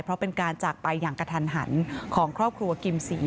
เพราะเป็นการจากไปอย่างกระทันหันของครอบครัวกิมศรี